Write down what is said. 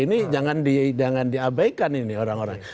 ini jangan diabaikan ini orang orang